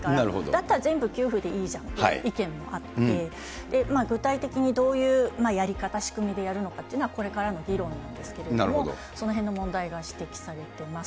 だったら全部給付でいいじゃんっていう意見もあって、具体的にどういうやり方、仕組みでやるのかっていうのは、これからの議論なんですけれども、そのへんの問題が指摘されています。